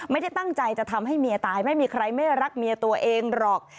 ไม่ได้ตั้งใจจะทำให้เมียตายไม่มีใครไม่รักเมียตัวเองหรอก